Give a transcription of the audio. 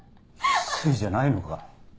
翡翠じゃないのか？